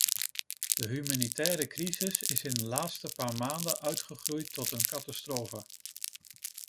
De humanitaire crisis is in de laatste paar maanden uitgegroeid tot een catastrofe.